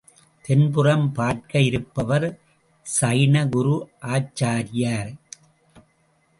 தென்புறம் பார்க்க இருப்பவர் ஜைன குரு ஆச்சார்யார்.